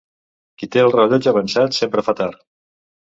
Qui té el rellotge avançat sempre fa tard.